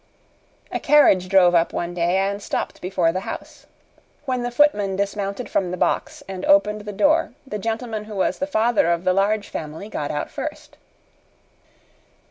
A carriage drove up one day and stopped before the house. When the footman dismounted from the box and opened the door the gentleman who was the father of the Large Family got out first.